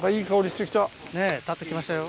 ねっ立ってきましたよ。